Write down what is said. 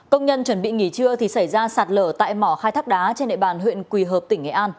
công nhân chuẩn bị nghỉ trưa thì xảy ra sạt lở tại mỏ khai thác đá trên địa bàn huyện quỳ hợp tỉnh nghệ an